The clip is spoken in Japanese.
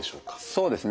そうですね